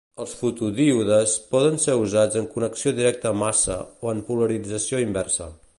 Els fotodíodes poden ser usats en connexió directa a massa o en polarització inversa.